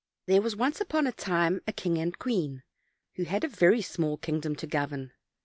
THERE was once upon a time a king and queen, who had a very small kingdom to govern.